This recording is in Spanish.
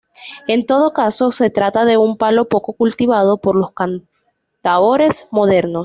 En todo caso, se trata de un palo poco cultivado por los cantaores modernos.